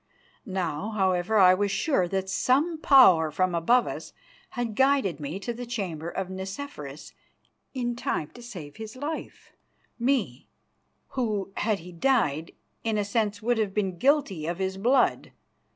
Now, however, I was sure that some Power from above us had guided me to the chamber of Nicephorus in time to save his life, me, who, had he died, in a sense would have been guilty of his blood.